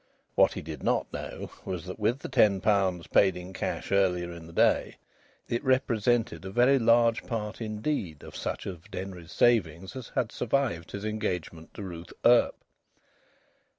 What he did not know was that, with the ten pounds paid in cash earlier in the day, it represented a very large part indeed of such of Denry's savings as had survived his engagement to Ruth Earp.